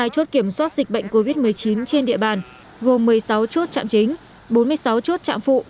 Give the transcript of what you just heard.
sáu mươi hai chốt kiểm soát dịch bệnh covid một mươi chín trên địa bàn gồm một mươi sáu chốt trạm chính bốn mươi sáu chốt trạm phụ